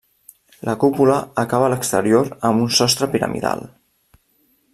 La cúpula acaba a l'exterior amb un sostre piramidal.